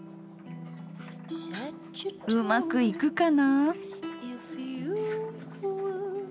うまくいくかな？